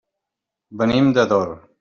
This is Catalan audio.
Venim d'Ador.